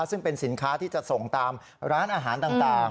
ซึ่งเป็นสินค้าที่จะส่งตามร้านอาหารต่าง